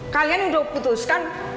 kalian udah putuskan